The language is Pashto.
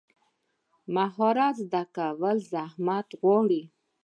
مهارت زده کول زحمت غواړي.